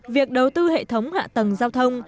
việc đầu tư hệ thống hạ tầng giao thông